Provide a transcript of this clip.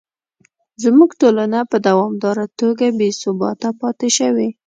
زموږ ټولنه په دوامداره توګه بې ثباته پاتې شوې.